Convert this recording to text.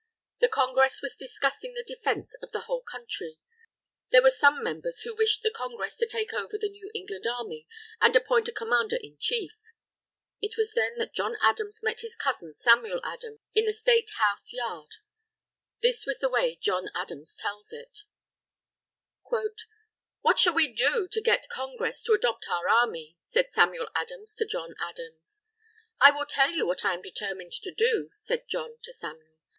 The Congress was discussing the defense of the whole Country. There were some members who wished the Congress to take over the New England Army and appoint a Commander in Chief. It was then that John Adams met his cousin Samuel Adams, in the State House yard. This is the way John Adams tells it: "'What shall we do to get Congress to adopt our Army?' said Samuel Adams to John Adams. "'I will tell you what I am determined to do,' said John to Samuel.